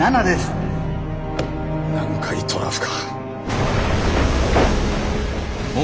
南海トラフか。